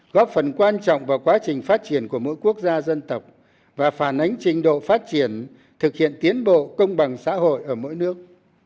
góp phần quan trọng vào quá trình phát triển của mỗi quốc gia dân tộc và phản ánh trình độ phát triển thực hiện tiến bộ công bằng xã hội ở mỗi nước